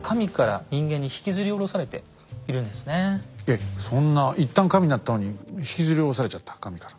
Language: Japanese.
えっそんな一旦神になったのに引きずり降ろされちゃった神から。